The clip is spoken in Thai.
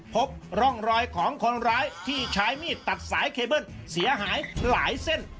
พบร่องรอยของคนร้ายที่ใช้มีดตัดสายเคเบิ้ลเสียหายหลายเส้น